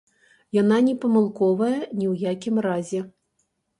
Яна не памылковая ні ў якім разе.